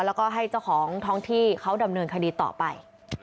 แล้วก็ให้เจ้าของท้องที่เขาดำเนินคดีต่อไป